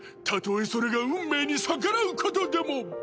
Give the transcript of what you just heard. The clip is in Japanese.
たとえそれが運命に逆らうことでも。